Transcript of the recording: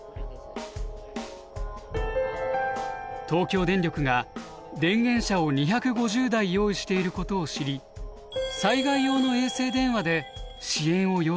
東京電力が電源車を２５０台用意していることを知り災害用の衛星電話で支援を要請することにしました。